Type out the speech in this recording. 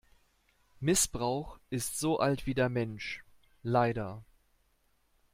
Missbrauch ist so alt wie der Mensch - leider.